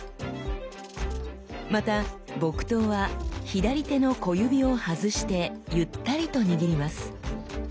また木刀は左手の小指を外してゆったりと握ります。